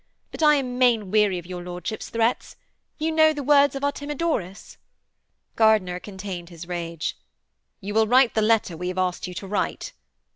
'But I am main weary of your lordship's threats. You know the words of Artemidorus?' Gardiner contained his rage. 'You will write the letter we have asked you to write?'